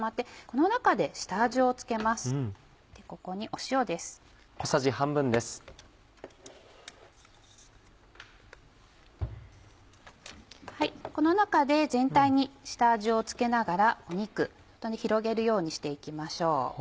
この中で全体に下味を付けながら肉広げるようにして行きましょう。